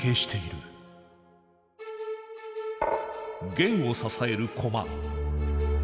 弦を支える駒。